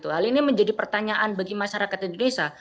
hal ini menjadi pertanyaan bagi masyarakat indonesia